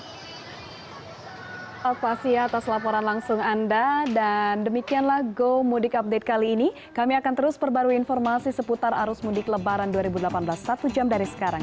terima kasih atas laporan langsung anda dan demikianlah go mudik update kali ini kami akan terus perbarui informasi seputar arus mudik lebaran dua ribu delapan belas satu jam dari sekarang